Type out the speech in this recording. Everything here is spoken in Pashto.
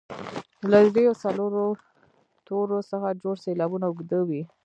له دریو او څلورو تورو څخه جوړ سېلابونه اوږده وي.